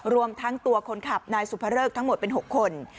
รวมทั้งตัวคนขับนายสุภเริกทั้งหมดเป็น๖คน